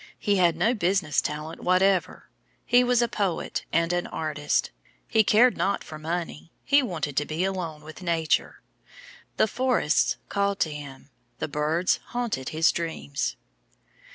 He had no business talent whatever; he was a poet and an artist; he cared not for money, he wanted to be alone with Nature. The forests called to him, the birds haunted his dreams.